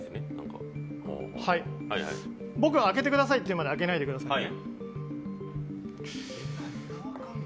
僕が開けてくださいと言うまで開けないでくださいね。